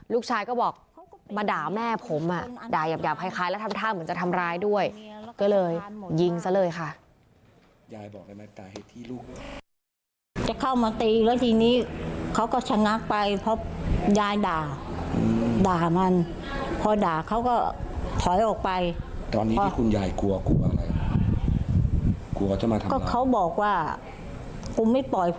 ลูกชายก็บอกมาด่าแม่ผมด่าหยาบคล้ายแล้วทำท่าเหมือนจะทำร้ายด้วย